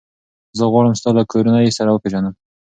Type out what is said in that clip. زه غواړم ستا له کورنۍ سره وپېژنم.